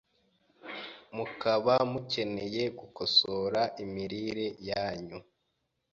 mukaba mukeneye gukosora imirire yanyu